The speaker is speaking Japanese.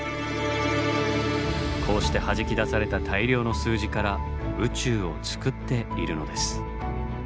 こうしてはじき出された大量の数字から宇宙を作っているのです。